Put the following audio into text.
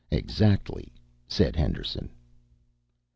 "Exactly," said Henderson.